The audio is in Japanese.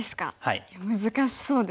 いや難しそうですね。